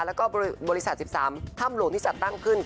แล้วก็บริษัท๑๓ถ้ำหลวงที่จัดตั้งขึ้น